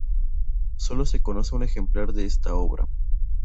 Sólo se conoce un ejemplar de esta obra.